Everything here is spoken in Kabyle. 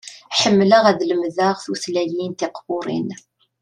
Ḥemmleɣ ad lemdeɣ tutlayin tiqburin.